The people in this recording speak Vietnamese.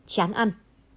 ba chán ăn